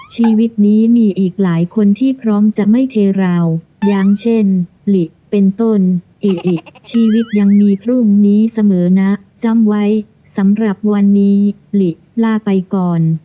ชีวิตนี้มีอีกหลายคนที่พร้อมจะไม่เทราวอย่างเช่นหลิเป็นต้นอิอิชีวิตยังมีพรุ่งนี้เสมอนะจำไว้สำหรับวันนี้หลีลาไปก่อน